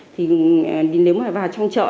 thì nếu mà vào trong chợ